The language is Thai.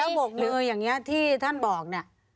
แล้วบอกนึงอย่างนี้ที่ท่านบอกนี่